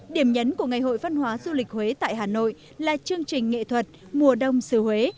điểm nhấn của ngày hội văn hóa du lịch huế tại hà nội là chương trình nghệ thuật mùa đông xứ huế